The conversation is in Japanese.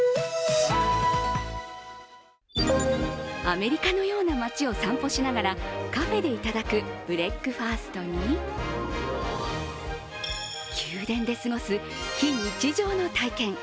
アメリカのような街を散歩しながらカフェで頂くブレックファストに宮殿で過ごす、非日常の体験。